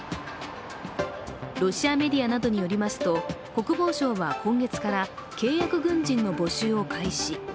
ロシアメディアなどによりますと国防省は今月から契約軍人の募集を開始。